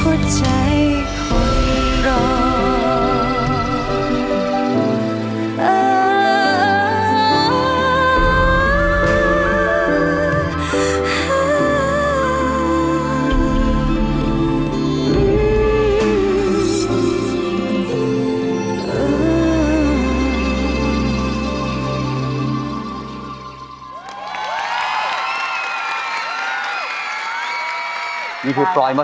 หนึ่งนาทีที่มันเลยพา